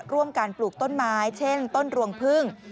ร่วมการปลูกต้นไม้เช่นต้นรวงพึ่ง